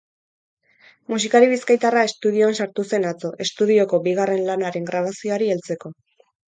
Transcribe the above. Musikari bizkaitarra estudioan sartu zen atzo, estudioko bigarren lanaren grabazioari heltzeko.